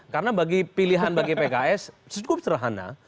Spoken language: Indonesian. karena bagi pilihan bagi pks cukup serahana